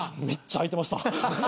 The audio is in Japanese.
めっちゃ空いてました。